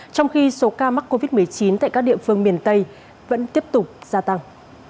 trong khi số ca mắc covid một mươi chín tại các địa phương miền tây vẫn tiếp tục gia tăng